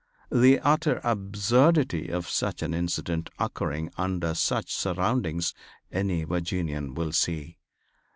The utter absurdity of such an incident occurring under such surroundings any Virginian will see.